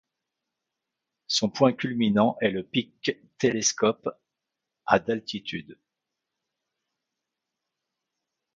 Son point culminant est le pic Telescope, à d'altitude.